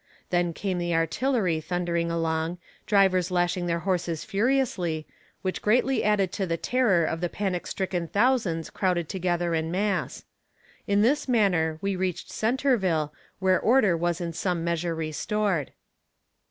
Then came the artillery thundering along, drivers lashing their horses furiously, which greatly added to the terror of the panic stricken thousands crowded together en masse. In this manner we reached Centerville where order was in some measure restored.